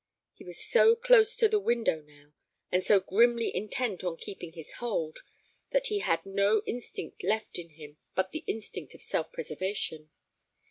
He was so close to the window now, and so grimly intent on keeping his hold, that he had no instinct left in him but the instinct of self preservation.